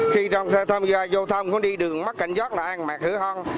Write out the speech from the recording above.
khi trong xe thăm gia vô thăm không đi đường mất cảnh giác là an mạc hữu hôn